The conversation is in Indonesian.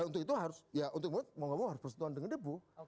untuk itu harus ya untuk itu harus mau enggak mau harus bersentuhan dengan debu